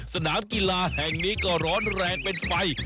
สนามกีฬาแห่งนี้ก็ร้อนแรงเป็นไฟ